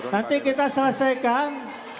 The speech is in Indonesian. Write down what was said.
nanti kita selesaikan